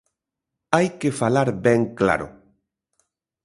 Hai que falar ben claro.